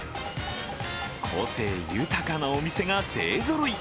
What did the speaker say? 個性豊かなお店が勢ぞろい。